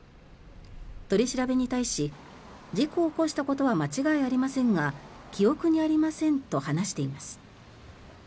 取り調べに対し事故を起こしたことは間違いありませんが記憶にありませんと話しています。